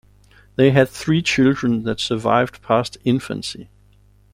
They had three children that survived past infancy.